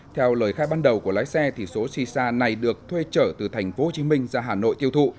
theo lời khai ban đầu của lái xe số shisha này được thuê trở từ tp hcm ra hà nội tiêu thụ